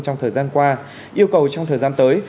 trong thời gian qua yêu cầu trong thời gian tới